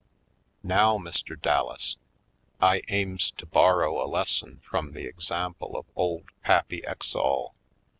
"Now, Mr. Dallas, I aims to borrow a lesson frum the example of ole Pappy Ex all.